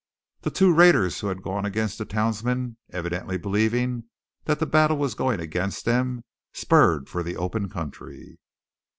The two raiders who had gone against the townsmen, evidently believing that the battle was going against them, spurred for the open country.